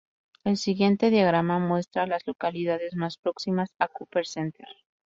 El siguiente diagrama muestra a las localidades más próximas a Copper Center.